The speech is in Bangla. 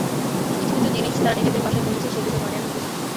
কিছু কিছু জিনিস তারা নিজেদের ভাষায় বলেছে, সেগুলোর মানে আমি বুঝিনি।